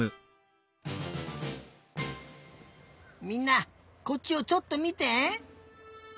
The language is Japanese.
みんなこっちをちょっとみて！